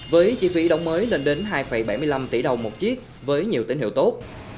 với chi phí đóng mới lên đến hai bảy mươi năm tỷ đồng một chiếc với nhiều tín hiệu tốt